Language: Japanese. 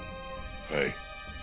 はい。